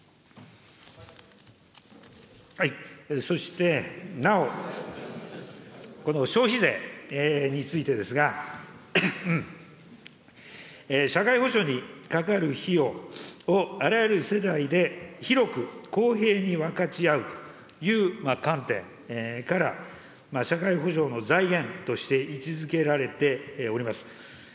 そして、なお、この消費税についてですが、社会保障にかかる費用をあらゆる世代で広く公平に分かち合うという観点から、社会保障の財源として位置づけられております。